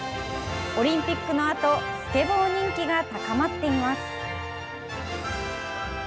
オリンピックのあとスケボー人気が高まっています。